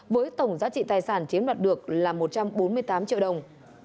với tổng giá trị tài sản chiếm đoạt được là một trăm bốn mươi tám triệu đồng